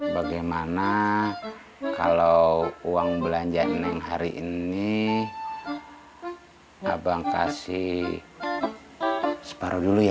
bagaimana kalau uang belanjaan yang hari ini abang kasih separuh dulu ya